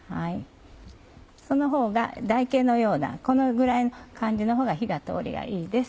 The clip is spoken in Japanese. そのほうが台形のようなこのぐらいの感じのほうが火の通りがいいです。